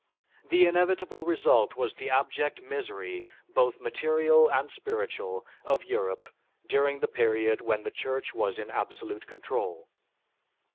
The inevitable result was the abject misery, both material and spiritual, of Europe during the period when the Church was in absolute control.